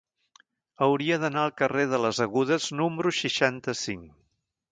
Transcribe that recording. Hauria d'anar al carrer de les Agudes número seixanta-cinc.